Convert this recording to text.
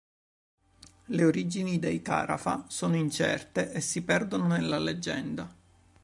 Le origini dei Carafa sono incerte e si perdono nella leggenda.